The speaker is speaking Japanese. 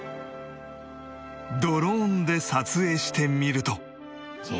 ドローンで撮影してみると